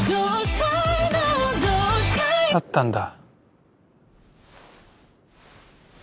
あったんだ。